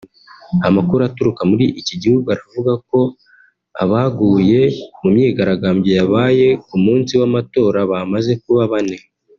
Amakuru aturuka muri iki gihugu aravuga ko abaguye mu myigaragambyo yabaye ku munsi w’ amatora bamaze kuba bane